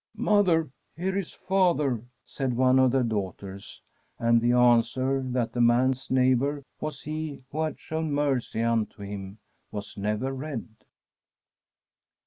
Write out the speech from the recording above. * Mother, here is father,' said one of the daugh ters ; and the answer, that the man's neighbour was he who had shown mercy unto him, was never read.